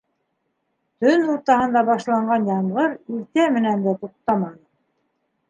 Төн уртаһында башланған ямғыр иртә менән дә туҡтаманы.